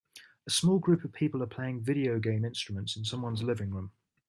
A small group of people are playing video game instruments in someone 's living room.